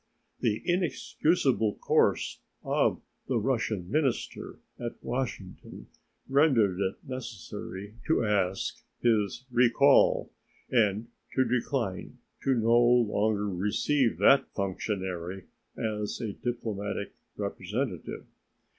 The inexcusable course of the Russian minister at Washington rendered it necessary to ask his recall and to decline to longer receive that functionary as a diplomatic representative.